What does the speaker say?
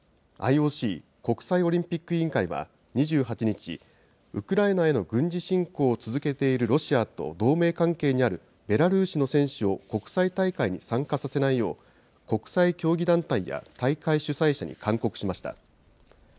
ＩＯＣ・国際オリンピック委員会は、２８日、ウクライナへの軍事侵攻を続けているロシアと、同盟関係にあるベラルーシの選手を国際大会に参加させないよう、国際競技団体や大会主催者に勧告しました。